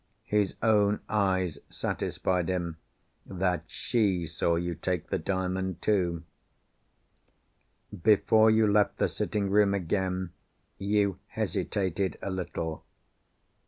His own eyes satisfied him that she saw you take the Diamond, too. Before you left the sitting room again, you hesitated a little. Mr.